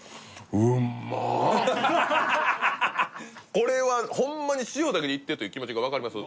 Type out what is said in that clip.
これはホンマに塩だけでいってという気持ちが分かります